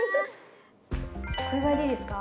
これぐらいでいいですか？